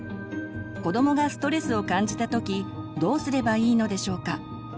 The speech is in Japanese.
子どもがストレスを感じた時どうすればいいのでしょうか。